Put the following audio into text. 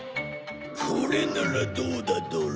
これならどうだドロ。